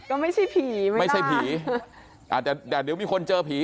ก็ไม่ใช่ผีมันไม่ใช่ผีอาจจะแต่เดี๋ยวมีคนเจอผี